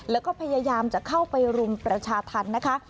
แล้วก็พยายามจะเข้าไปรุมประชาธรรมนะคะ